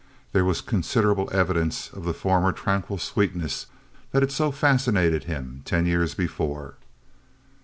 There was considerable evidence of the former tranquil sweetness that had so fascinated him ten years before.